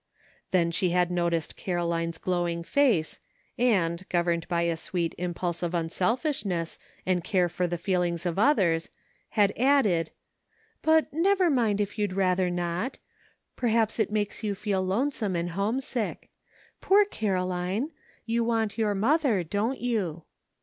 Then she had noticed Caroline's glowing face, and, governed by a sweet impulse of unselfish ness and care for the feelings of others, had added: "But nevermind if you would rather not; perhaps it makes you feel lonesome and homesick. Poor Caroline ! you want your mother, don't you